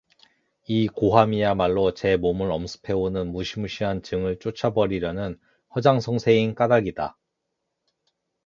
이 고함이야말로 제 몸을 엄습해 오는 무시무시한 증을 쫓아 버리려는 허장성세인 까닭이다.